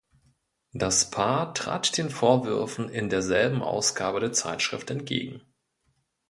Das Paar trat den Vorwürfen in derselben Ausgabe der Zeitschrift entgegen.